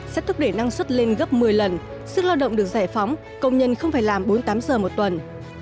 sẽ thúc đẩy năng suất lên gấp một mươi lần sức lao động được giải phóng công nhân không phải làm bốn mươi tám giờ một tuần